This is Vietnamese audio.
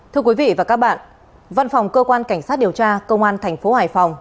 thưa quý vị và các bạn văn phòng cơ quan cảnh sát điều tra công an tp hcm